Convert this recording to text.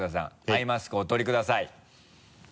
アイマスクをお取りください。